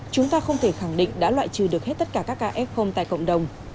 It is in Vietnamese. chúng ta không thể khẳng định đã loại trừ được hết tất cả các caf tại cộng đồng